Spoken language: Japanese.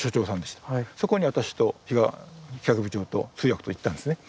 そこに私と比嘉企画部長と通訳と行ったんですね。